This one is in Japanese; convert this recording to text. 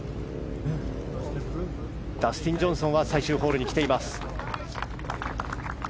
ダスティン・ジョンソンは最終ホールに来ています。